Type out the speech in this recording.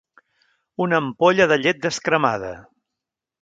Una ampolla de llet descremada.